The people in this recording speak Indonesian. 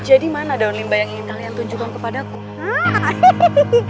jadi mana daun limba yang hental yang tunjukkan kepadaku